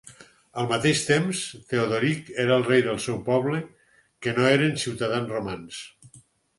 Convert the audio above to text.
Al mateix temps, Teodoric era el rei del seu poble, que no eren ciutadans romans.